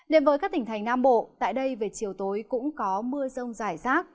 điện với các tỉnh thành nam bộ tại đây về chiều tối cũng có mưa rông dài rác